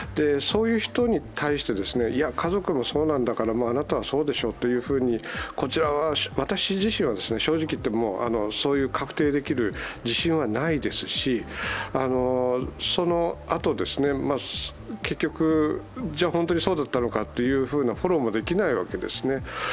そういう人に対して、いや家族もそうなんだから、あなたもそうでしょというふうに私自身は正直言って、確定できる自信はないですしそのあと、じゃ本当にそうだったのかというフォローもできないわけですね。